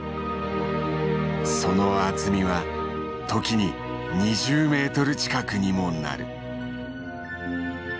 その厚みは時に２０メートル近くにもなる。